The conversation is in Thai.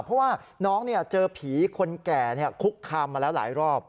เพราะว่าน้องเจอผีคนแก่คุกคามมาแล้วหลายรอบ